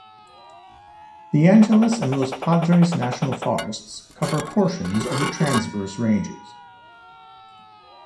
The Angeles and Los Padres National Forests cover portions of the Transverse ranges.